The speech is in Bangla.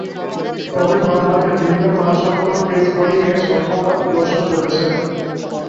তবে, বামহাতে ভিন্ন মানসম্পন্ন পেস বোলিংয়ে সক্ষমতা প্রদর্শন করেছেন।